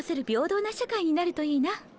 平等な社会になるといいな。